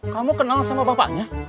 kamu kenal sama bapaknya